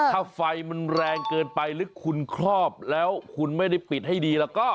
ถ้าไฟมันแรงเกินไปหรือคุณครอบแล้วคุณไม่ได้ปิดให้ดีแล้วก็